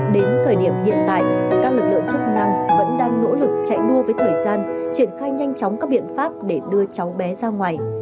đến thời điểm hiện tại các lực lượng chức năng vẫn đang nỗ lực chạy đua với thời gian triển khai nhanh chóng các biện pháp để đưa cháu bé ra ngoài